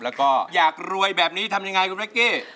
แล้วก็อยากรวยแบบนี้ทำยังไงคุณเป๊กกี้